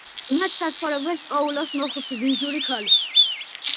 მათ საცხოვრებელს პოულობს მოხუცი, ბინძური ქალი.